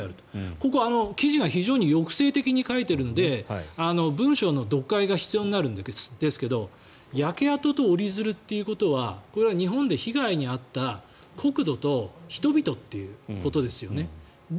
ここ、記事が非常に抑制的に書いているので文章の読解が必要になるんですけど焼け跡と折り鶴ということはこれは日本で被害に遭った国土と人々ということですよね。